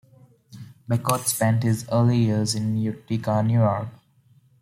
Bacot spent his early years in Utica, New York.